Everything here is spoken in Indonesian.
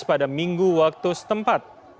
pada minggu waktu setempat